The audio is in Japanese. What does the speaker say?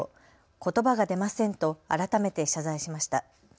ことばが出ませんと改めて謝罪しました。